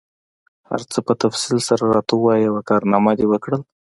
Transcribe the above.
هر څه په تفصیل سره راته ووایه، یوه کارنامه دي وکړل؟